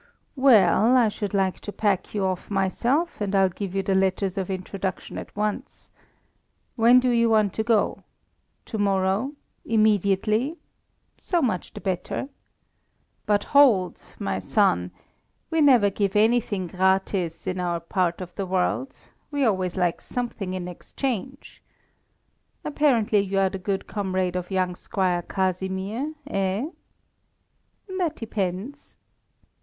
"Well, I should like to pack you off myself and I'll give you the letters of introduction at once. When do you want to go? To morrow! Immediately! So much the better. But hold! my son! We never give anything gratis in our part of the world, we always like something in exchange. Apparently you are the good comrade of young Squire Casimir, eh?" "That depends."